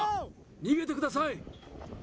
逃げてください。